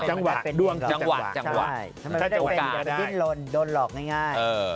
จังหวะเจ้าเลยได้